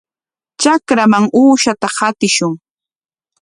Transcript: Trakraman uushata qatishun.